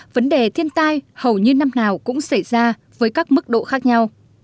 vấn đề thiên tai hầu như năm nào cũng xảy ra với các mức độ khác nhau